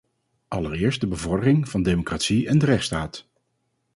Allereerst de bevordering van democratie en de rechtsstaat.